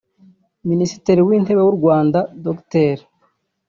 Minisitiri w’Intebe w’u Rwanda Dr